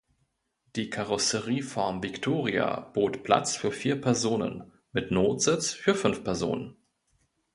Die Karosserieform Victoria bot Platz für vier Personen, mit Notsitz für fünf Personen.